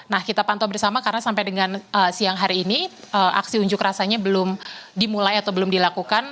nah kita pantau bersama karena sampai dengan siang hari ini aksi unjuk rasanya belum dimulai atau belum dilakukan